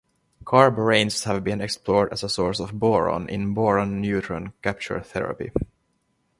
Carboranes have been explored as a source of boron in boron neutron capture therapy.